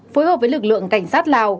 phối hợp với lực lượng cảnh sát lào